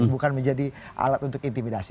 bukan menjadi alat untuk intimidasi